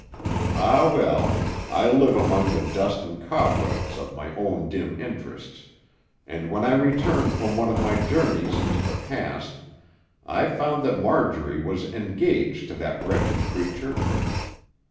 Ah, well, I live among the dust and cobwebs of my own dim interests—and when I returned from one of my journeys into the past, I found that Marjorie was engaged to that wretched creature.